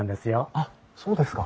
あっそうですか。